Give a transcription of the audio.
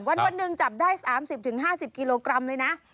วันหนึ่งจับได้๓๐๕๐กิโลกรัมเลยนะ